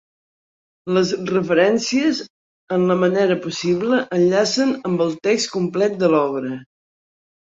Les referències, en la manera possible, enllacen amb el text complet de l'obra.